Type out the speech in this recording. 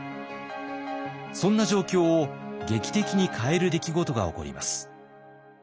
そんな状況を劇的に変える出来事が起こります。